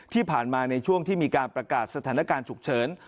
ในช่วงที่มีการประกาศสถานการณ์ฉุกเฉิน